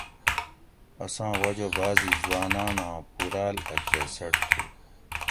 اساں وجہ بعضی حٔواناۤناۤں پُوراۤل اۤ کیسٹ تھو